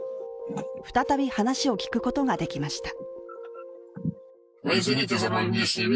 再び話を聞くことができました。